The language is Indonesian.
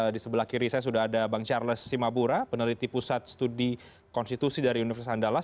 di sebelah kiri saya sudah ada bang charles simabura peneliti pusat studi konstitusi dari universitas andalas